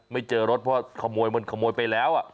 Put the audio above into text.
เจอรถเพราะขโมยมันขโมยไปแล้ว